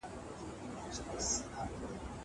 قلمان د زده کوونکي له خوا پاک کيږي!